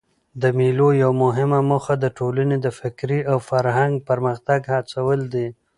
د مېلو یوه مهمه موخه د ټولني د فکري او فرهنګي پرمختګ هڅول دي.